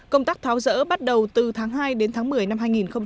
công tác tháo rỡ bắt đầu từ tháng hai đến tháng một mươi năm hai nghìn hai mươi